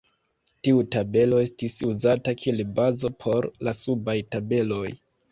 Tiu tabelo estis uzata kiel bazo por la subaj tabeloj.